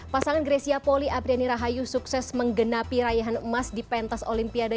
pasangan grecia poli apriani rahayu sukses menggenapi raihan emas di pentas olimpiade